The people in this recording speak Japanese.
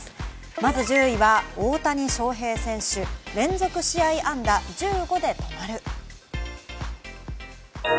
まず１０位は大谷翔平選手、連続試合安打１５で止まる。